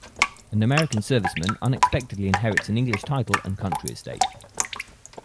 An American serviceman unexpectedly inherits an English title and country estate.